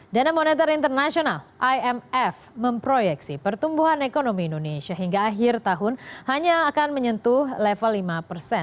dana moneter internasional imf memproyeksi pertumbuhan ekonomi indonesia hingga akhir tahun hanya akan menyentuh level lima persen